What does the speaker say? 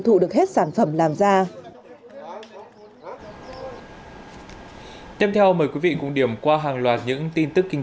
thụ được hết sản phẩm làm ra anh em theo mời quý vị cũng điểm qua hàng loạt những tin tức kinh